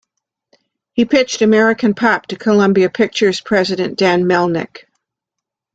He pitched "American Pop" to Columbia Pictures president Dan Melnick.